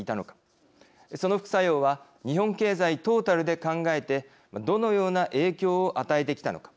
その副作用は日本経済トータルで考えてどのような影響を与えてきたのか。